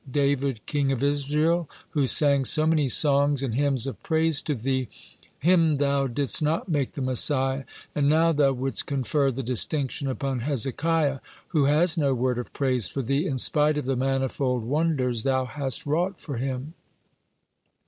David, king of Israel, who sang so many songs and hymns of praise to Thee, him Thou didst not make the Messiah, and now Thou wouldst confer the distinction upon Hezekiah, who has no word of praise for Thee in spite of the manifold wonders Thou hast wrought for him?"